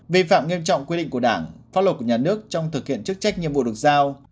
vi phạm nghiêm trọng quy định của đảng pháp luật của nhà nước trong thực hiện chức trách nhiệm vụ được giao